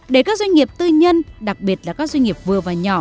để các doanh nghiệp tư nhân đặc biệt là các doanh nghiệp vừa và nhỏ